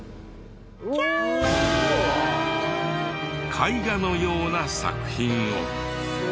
絵画のような作品を。